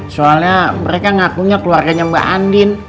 soalnya mereka ngakunya keluarganya mbak andin